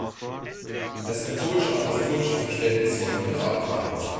Das katholisch-apostolische Verständnis wurde jedoch abgewandelt.